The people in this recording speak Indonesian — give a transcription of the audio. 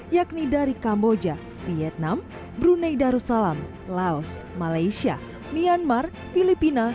yakni dari kamboja vietnam brunei darussalam laos malaysia myanmar filipina